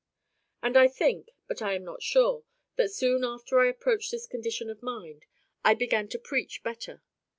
And I think, but I am not sure, that soon after I approached this condition of mind, I began to preach better.